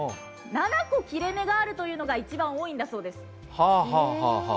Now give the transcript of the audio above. ７個切れ目があるというのが一番多いんだそうです。